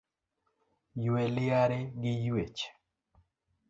Yue liare gi yuech